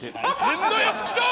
変なやつきた！